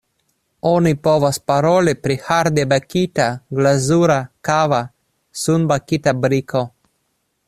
Oni povas paroli pri hardebakita, glazura, kava, sunbakita briko.